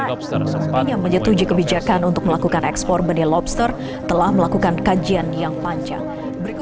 yang menyetujui kebijakan untuk melakukan ekspor benih lobster telah melakukan kajian yang panjang berikut